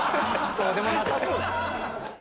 そうでもなさそう。